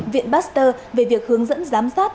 viện pasteur về việc hướng dẫn giám sát